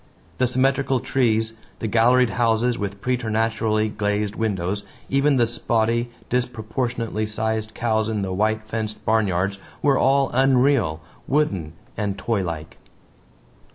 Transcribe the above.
The symmetrical trees, the galleried houses with preternaturally glazed windows, even the spotty, disproportionately sized cows in the white fenced barnyards were all unreal, wooden and toylike.